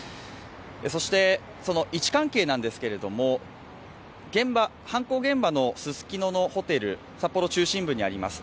そして、位置関係なんですけど、犯行現場のススキノのホテルは札幌中心部にあります。